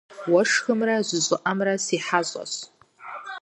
Уэшхымрэ жьы щӏыӏэмрэ си хьэщӏэщ.